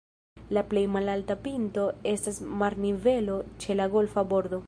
La plej malalta pinto estas marnivelo ĉe la golfa bordo.